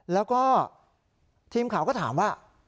แล้วก็ทีมข่าวก็ถามว่า